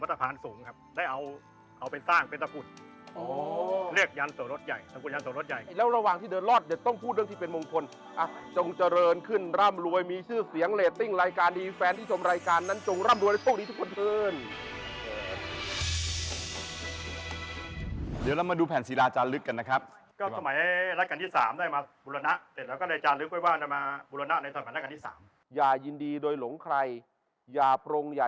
สวทธิ์สวทธิ์ครับสวทธิ์สวทธิ์ครับสวทธิ์สวทธิ์ครับสวทธิ์สวทธิ์ครับสวทธิ์สวทธิ์ครับสวทธิ์สวทธิ์ครับสวทธิ์สวทธิ์ครับสวทธิ์สวทธิ์ครับสวทธิ์สวทธิ์ครับสวทธิ์สวทธิ์ครับสวทธิ์สวทธิ์ครับสวทธิ์สวทธิ์ครับสวทธิ์